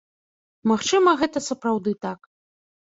Магчыма, гэта сапраўды так.